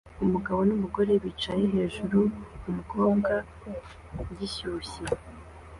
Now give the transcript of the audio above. Umugabo numugore bicaye hejuru-umukobwa gishyushye